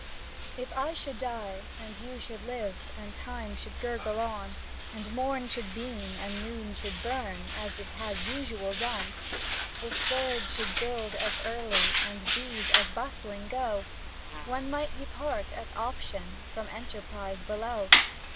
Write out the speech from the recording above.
If I should die, And you should live, And time should gurgle on, And morn should beam, And noon should burn, As it has usual done; If birds should build as early, And bees as bustling go, One might depart at option From enterprise below!